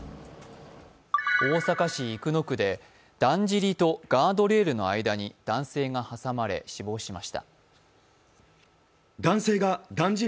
大阪市生野区でだんじりとガードレールの間に男性が挟まれ男性が死亡しました。